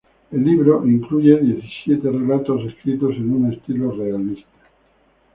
El libro incluye diecisiete relatos escritos en un estilo realista.